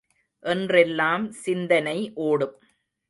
என்றெல்லாம் சிந்தனை ஒடும்!